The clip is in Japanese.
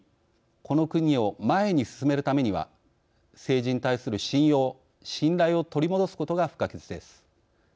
この国を前に進めるためには政治に対する信用、信頼を取り戻すことが不可欠です。